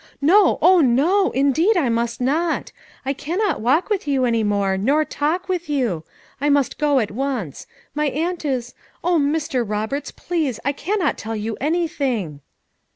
"No! oh, no! indeed I must not! I cannot walk with you any more, nor talk with you; I must go at once; my aunt is— Oh, Mr. Roberts, please! I cannot tell you anything.